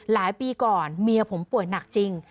ปีก่อนเมียผมป่วยหนักจริง